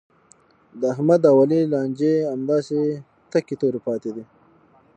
د احمد او علي لانجې همداسې تکې تورې پاتې دي.